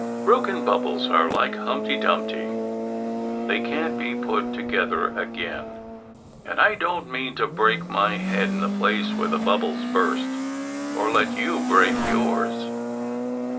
Broken bubbles are like Humpty Dumpty : they can t be put together again; and I don t mean to break my head in the place where the bubble burst, or let you break yours."